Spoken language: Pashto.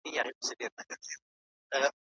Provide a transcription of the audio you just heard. مالي اندېښنې ذهني فشار زیاتوي.